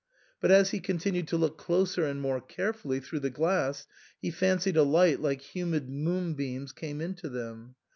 But as he continued to look closer and more carefully through the glass he fancied a light like humid moonbeams came into them.